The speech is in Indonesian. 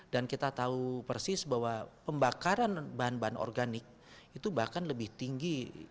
dan kita tahu persis bahwa pembakaran bahan bahan organik itu bahkan lebih tinggi